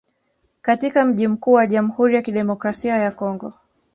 katika mji mkuu wa Jamhuri ya Kidemokrasia ya Kongo